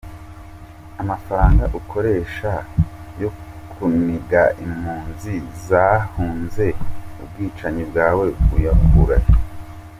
Amafaranga ukoresha yo kuniga impunzi zahunze ubwicanyi bwawe uyakurahe?